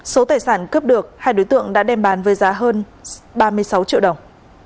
số tài sản cướp được hai đối tượng đã đem bán với giá hơn ba mươi sáu triệu đồng